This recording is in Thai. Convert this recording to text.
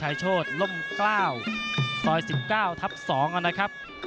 นักมวยจอมคำหวังเว่เลยนะครับ